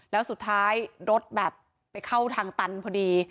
แล้วสุดท้ายรถแบบไปเข้าทางตันพอดี